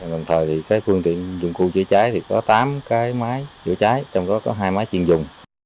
đồng thời phương tiện dụng cụ chữa cháy có tám máy chữa cháy trong đó có hai máy chuyên dùng